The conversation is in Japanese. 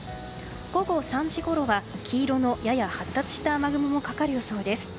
午後３時ごろは、黄色のやや発達した雨雲もかかる予想です。